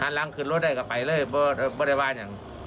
หากหลังขึ้นรถก็ไปเลยก็บรรยาบาลยัง